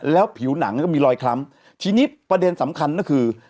แล้วผิวหนังก็มีรอยคล้ำทีนี้ประเด็นสำคัญก็คือ